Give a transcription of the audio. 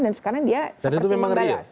dan sekarang dia seperti membayas